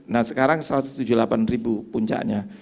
nah sekarang satu ratus tujuh puluh delapan ribu puncaknya